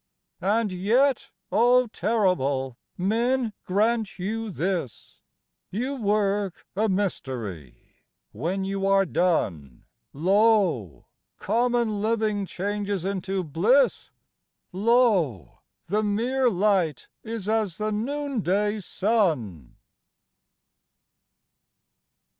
And yet â 0, Terrible ! â ^men grant you this : You work a mystery ; when you are done, Lo ! common living changes into bliss, Lo ! the mere light is as the noonday sun